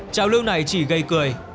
trào lưu này chỉ gây cười